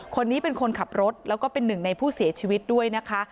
คนนี้เป็นคนขับรถแล้วก็เป็นหนึ่งในผู้เสียชีวิตด้วยนะคะ